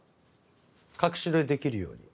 隠し撮りできるように。